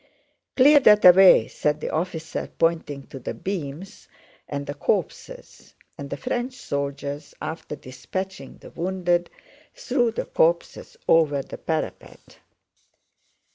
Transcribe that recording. "Clear that away!" said the officer, pointing to the beams and the corpses, and the French soldiers, after dispatching the wounded, threw the corpses over the parapet.